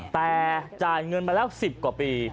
แต่จ่ายเงินมาแล้ว๑๐กว่าปี